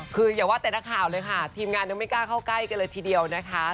คืออย่าว่าแต่นักข่าวเลยค่ะทีมงานยังไม่กล้าเข้าใกล้กันเลยทีเดียวนะคะ